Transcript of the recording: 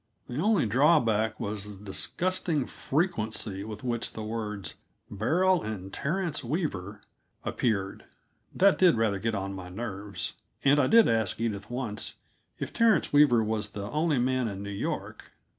The only drawback was the disgusting frequency with which the words "Beryl and Terence Weaver" appeared; that did rather get on my nerves, and I did ask Edith once if Terence Weaver was the only man in New York.